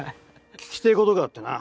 聞きてえことがあってな。